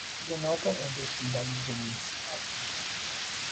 At the northern end is Doug Jennings Park.